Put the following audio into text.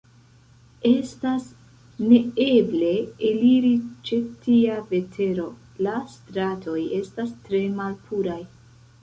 Estas neeble eliri ĉe tia vetero; la stratoj estas tre malpuraj.